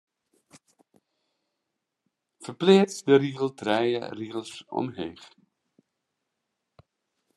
Ferpleats de rigel trije rigels omheech.